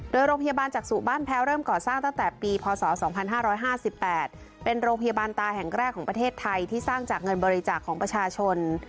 โดยโรงพยาบาลจักษุบ้านแพ้เริ่มก่อสร้างตั้งแต่ปีพศ๒๕๕๘เป็นโรงพยาบาลตาแห่งแรกของประเทศไทยที่สร้างจากเงินบริจาคของประชาชน